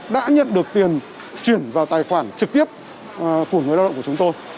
đã nhận được tiền chuyển vào tài khoản trực tiếp của người lao động của chúng tôi